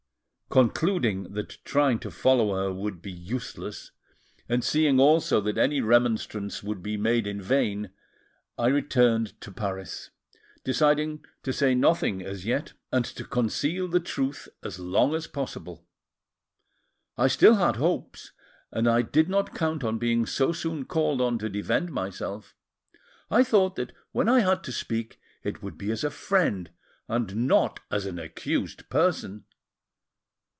Concluding that trying to follow her would be useless, and seeing also that any remonstrance would be made in vain, I returned to Paris, deciding to say nothing as yet, and to conceal the truth as long as possible. I still had hopes, and I did not count on being so soon called on to defend myself: I thought that when I had to speak, it would be as a friend, and not as an accused person.